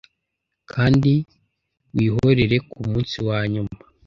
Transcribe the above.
Kandi wihorere kumunsi wanyuma "